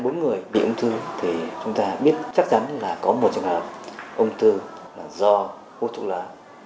tức là ba bốn người bị ung thư thì chúng ta biết chắc chắn là có một trường hợp ung thư do hút thuốc lá